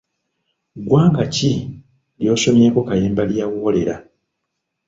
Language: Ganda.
Ggwanga ki ly'osomyeko Kayemba lye yawoolera?